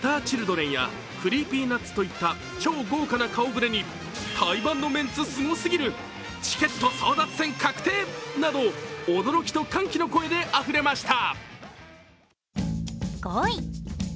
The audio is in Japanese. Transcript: Ｍｒ．ＣｈｉｌｄｒｅｎやＣｒｅｅｐｙＮｕｔｓといった超豪華な顔ぶれに、対バンのメンツ、すごすぎる、チケット争奪戦確定など、驚きと歓喜の声であふれました。